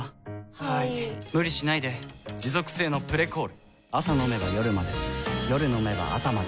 はい・・・無理しないで持続性の「プレコール」朝飲めば夜まで夜飲めば朝まで